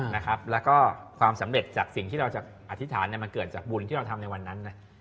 แล้วก็ความสำเร็จจากสิ่งที่เราจะอธิษฐานมันเกิดจากบุญที่เราทำในวันนั้นนะ